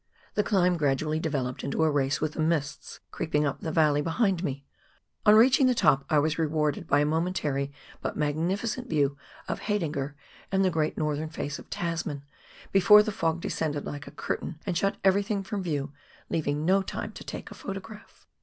The climb gradually developed into a race with the mists creeping up the valley behind me ; on reaching the top I was rewarded by a momentary but magni ficent view of Haidinger and the great northern face of Tasman, before the fog descended like a curtain and shut everything from view, leaving no time to take a photograph.